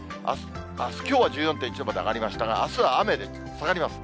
きょうは１４．１度まで上がりましたが、あすは雨で下がります。